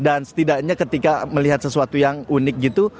dan setidaknya ketika melihat sesuatu yang unik gitu